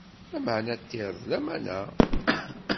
Lamana ṭṭir n lamana.